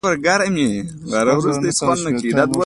جګړن پوښتنه وکړه: څه شی راوباسې؟ زه پوه نه شوم.